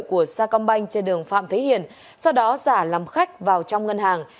của sa công banh trên đường phạm thế hiền sau đó giả làm khách vào trong ngân hàng